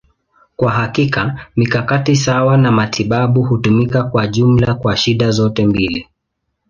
Kwa hakika, mikakati sawa ya matibabu hutumika kwa jumla kwa shida zote mbili.